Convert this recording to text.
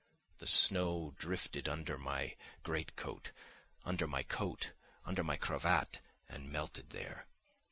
The snow drifted under my great coat, under my coat, under my cravat, and melted there.